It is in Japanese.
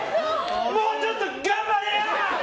もうちょっと頑張れ！